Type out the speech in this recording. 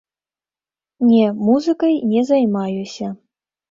Не, музыкай не займаюся.